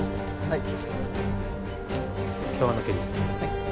はい。